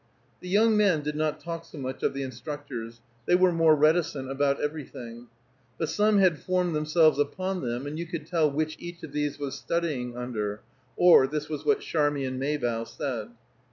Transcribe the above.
The young men did not talk so much of the instructors; they were more reticent about everything. But some had formed themselves upon them, and you could tell which each of these was studying under; or this was what Charmian Maybough said.